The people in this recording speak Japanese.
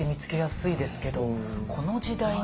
この時代に。